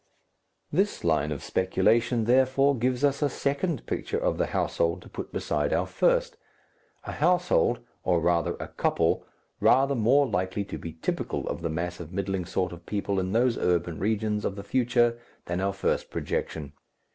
This line of speculation, therefore, gives us a second picture of a household to put beside our first, a household, or rather a couple, rather more likely to be typical of the mass of middling sort of people in those urban regions of the future than our first projection.